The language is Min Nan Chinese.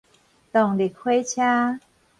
動力火車